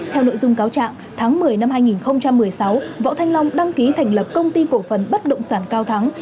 theo nội dung cáo trạng tháng một mươi năm hai nghìn một mươi sáu võ thanh long đăng ký thành lập công ty cổ phần bất động sản cao thắng